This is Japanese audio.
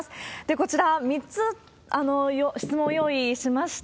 こちら、３つ質問を用意しました。